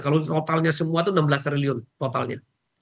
kalau totalnya semua itu enam belas triliun totalnya